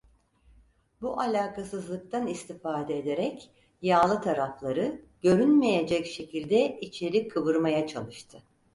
Bu alakasızlıktan istifade ederek yağlı tarafları, görünmeyecek şekilde içeri kıvırmaya çalıştı.